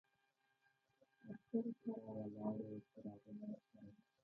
عسکرو سره ولاړ و، څراغونه ورسره و.